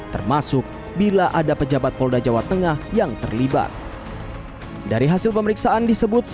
termasuk bila ada pejabat polda jawa tengah yang terlibat